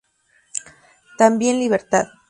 ¡También libertad!